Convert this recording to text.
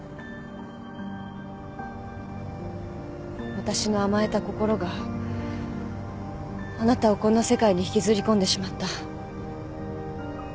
私の甘えた心があなたをこんな世界に引きずり込んでしまった。